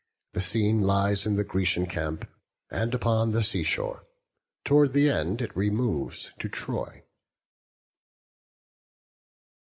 The scene lies in the Grecian camp and upon the sea shore; toward the end it removes to Troy.